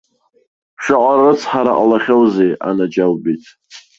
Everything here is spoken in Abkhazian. Шаҟа рыцҳара ҟалахьоузеи, анаџьалбеит.